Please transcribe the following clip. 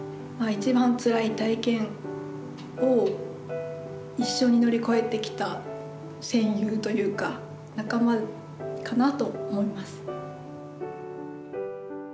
一番つらい体験を一緒に乗り越えてきた戦友というか仲間かなと思います。